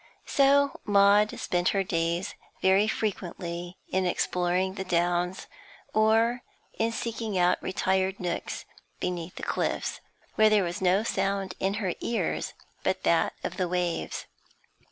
So Maud spent her days very frequently in exploring the Downs, or in seeking out retired nooks beneath the cliffs, where there was no sound in her ears but that of the waves.